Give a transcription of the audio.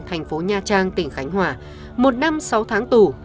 thành phố nha trang tỉnh khánh hòa một năm sáu tháng tù